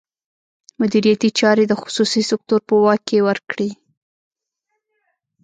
مدیریتي چارې د خصوصي سکتور په واک کې ورکړي.